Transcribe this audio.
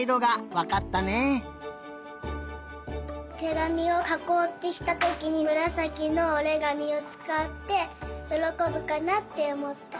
てがみをかこうってしたときにむらさきのおりがみをつかってよろこぶかなっておもった。